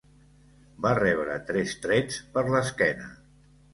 Va rebre tres trets per l'esquena.